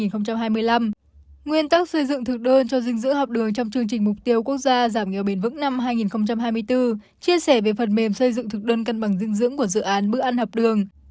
nguyên tắc xây dựng thực đơn cho dinh dưỡng học đường trong chương trình mục tiêu quốc gia giảm nghèo bền vững năm hai nghìn hai mươi bốn chia sẻ về phần mềm xây dựng thực đơn cân bằng dinh dưỡng của dự án bữa ăn học đường